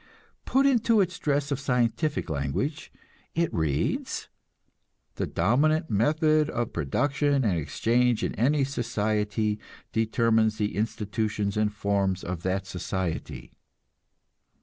Put into its dress of scientific language it reads: the dominant method of production and exchange in any society determines the institutions and forms of that society.